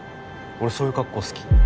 俺そういう格好好き。